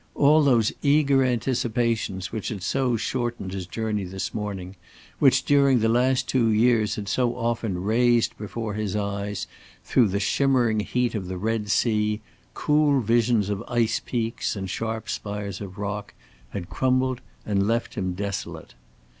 All those eager anticipations which had so shortened his journey this morning, which during the last two years had so often raised before his eyes through the shimmering heat of the Red Sea cool visions of ice peaks and sharp spires of rock, had crumbled and left him desolate.